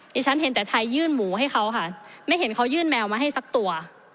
ฉันเห็นแต่ไทยยื่นหมูให้เขาค่ะไม่เห็นเขายื่นแมวมาให้สักตัว